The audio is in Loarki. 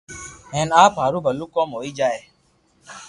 ھين اپ ھارو ڀلو ڪوم ھوئي جائي